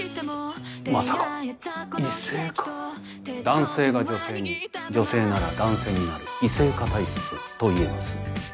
男性が女性に女性なら男性になる異性化体質といえます。